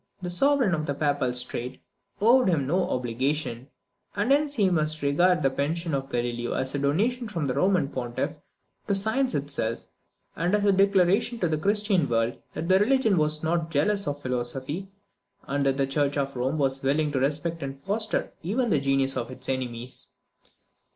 The sovereign of the papal state owed him no obligation; and hence we must regard the pension of Galileo as a donation from the Roman Pontiff to science itself, and as a declaration to the Christian world that religion was not jealous of philosophy, and that the church of Rome was willing to respect and foster even the genius of its enemies.